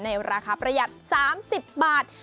ในราคาประหยัด๓๐บาท